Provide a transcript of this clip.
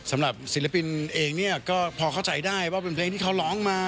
สำหรับศิลปินเองเนี่ยก็พอเข้าใจได้ว่าเป็นเพลงที่เขาร้องมา